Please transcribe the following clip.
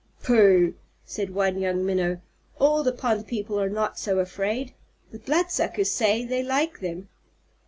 "Pooh!" said one young Minnow. "All the pond people are not so afraid! The Bloodsuckers say they like them."